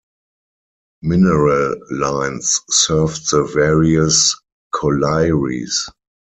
Mineral lines served the various collieries.